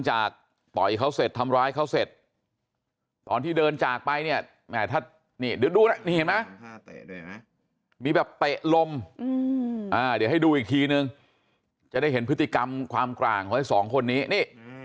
จะได้เห็นพฤติกรรมความกลางให้สองคนนี้